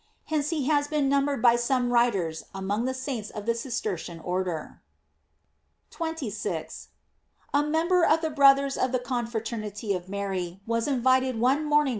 Hence he has been numbered by some writers among the saints of the Cistercian order.* 26. — A member of the brothers of the con fraternity of Mary was invited one morning by * Ann.